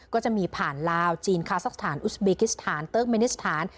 ก็จะมีผ่านลาวจีนคาซักสถานอุสเบกิสถานเติ๊กเมนิสถาน